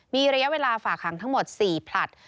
มีระยะเวลาฝากหางทั้งหมด๔ผลัด